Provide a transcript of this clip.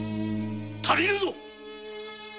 足りぬぞ。